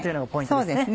そうですね。